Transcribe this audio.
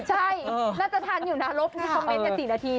ใช่น่าจะทันอยู่นะลบในคอมเมนต์๔นาที